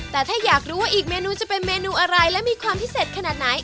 แต่ถ้าอยากรู้ว่าอีกเมนูจะเป็นเมนูอะไรและมีความพิเศษขนาดไหน